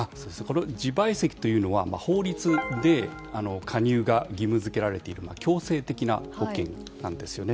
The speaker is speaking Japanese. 自賠責というのは法律で加入が義務付けられている強制的な保険なんですね。